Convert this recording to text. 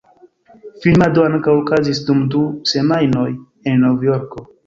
Filmado ankaŭ okazis dum du semajnoj en Novjorko.